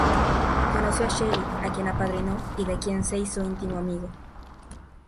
Conoció a Shelley a quien apadrinó y de quien se hizo íntimo amigo.